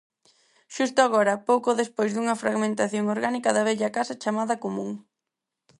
Xusto agora, pouco despois dunha fragmentación orgánica da vella casa chamada común.